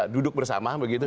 duduk bersama begitu